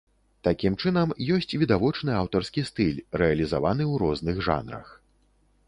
Такім чынам, ёсць відавочны аўтарскі стыль, рэалізаваны ў розных жанрах.